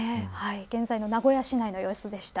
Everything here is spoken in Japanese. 現在の名古屋市内の様子でした。